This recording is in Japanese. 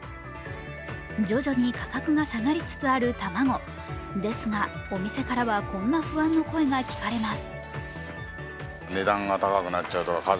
徐々に価格が下がりつつある卵ですが、お店からはこんな不安の声が聞かれます。